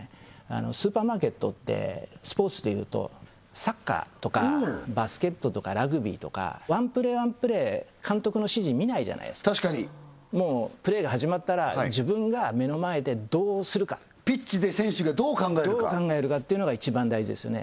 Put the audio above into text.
スーパーマーケットってスポーツでいうとサッカーとかバスケットとかラグビーとかワンプレーワンプレー監督の指示見ないじゃないですか確かにもうプレーが始まったら自分が目の前でどうするかピッチで選手がどう考えるかどう考えるかっていうのが一番大事ですよね